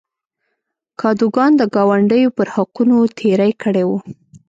کادوګان د ګاونډیو پر حقونو تېری کړی و.